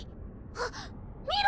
はっ見ろ！